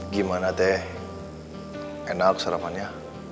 gimana teh enak sarapannya